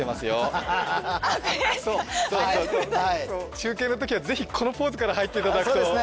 中継のときはぜひこのポーズから入っていただくとそうですね